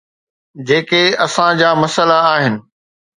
جيڪي اسان جا مسئلا آهن.